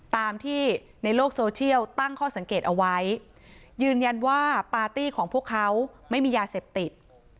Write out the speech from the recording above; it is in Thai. ตามที่ในโลกโซเชียลตั้งข้อสังเกตเอาไว้ยืนยันว่าปาร์ตี้ของพวกเขาไม่มียาเสพติด